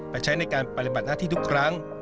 ใช้ในการปฏิบัติหน้าที่ทุกครั้ง